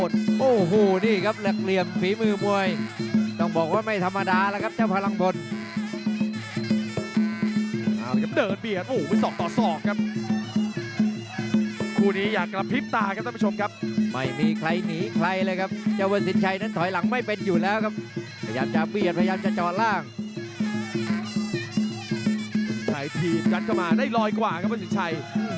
ใส่ทีมกัดเข้ามาได้รอยกว่าครับว่าสิทธิ์ชัย